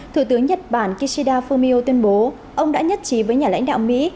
thủ tướng nhật bản kishida fumio tuyên bố ông đã nhất trí với nhà lãnh đạo mỹ